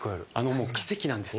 もう奇跡なんです。